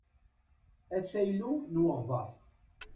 Afaylu n weɣbaṛ.